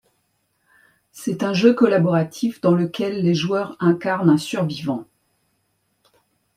C’est un jeu collaboratif dans lequel les joueurs incarnent un survivant.